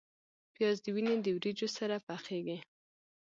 پیاز د وینې د وریجو سره پخیږي